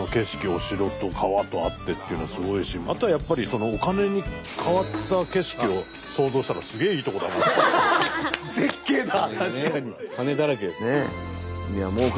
お城と川とあってっていうのはすごいしあとはやっぱりお金に変わった景色を想像したら金だらけです。